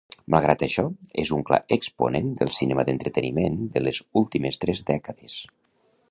Malgrat això, és un clar exponent del cinema d'entreteniment de les últimes tres dècades.